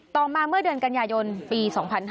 ต่อมาเมื่อเดือนกันยายนปี๒๕๕๙